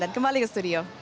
dan kembali ke studio